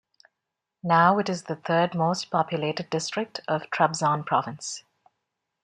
Now it is the third most populated district of Trabzon province.